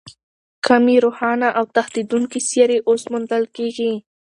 کمې روښانه او تښتېدونکې سیارې اوس موندل کېږي.